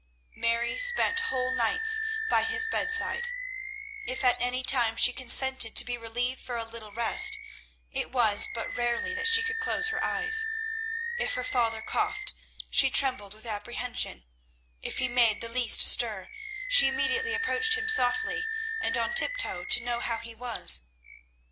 Mary spent whole nights by his bedside. If at any time she consented to be relieved for a little rest, it was but rarely that she could close her eyes. If her father coughed, she trembled with apprehension; if he made the least stir, she immediately approached him softly and on tiptoe to know how he was.